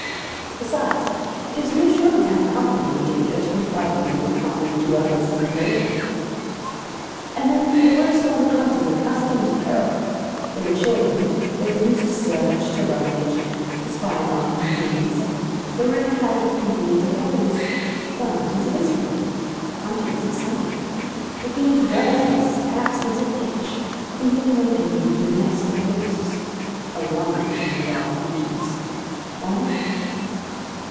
Besides, it is reassuring to have company in danger; to be frightened in the company of two others is encouraging. And then they were a sort of hunters accustomed to peril. They were children; they were used to search, to rummage, to spy out hidden things. They were in the habit of peeping into holes; why not into this hole? Hunting is exciting. Looking into birds' nests perhaps gives an itch for looking a little into a nest of ghosts. A rummage in the dark regions. Why not?